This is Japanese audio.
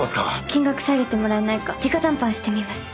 金額下げてもらえないか直談判してみます。